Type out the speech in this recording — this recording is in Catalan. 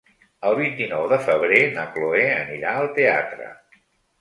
El vint-i-nou de febrer na Cloè anirà al teatre.